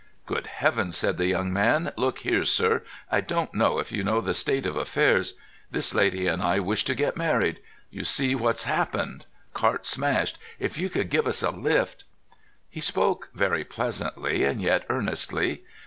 "Good heavens!" said the young man. "Look here, sir. I don't know if you know the state of affairs. This lady and I wish to get married. You see what's happened? Cart smashed. If you could give us a lift——" He spoke very pleasantly and yet earnestly.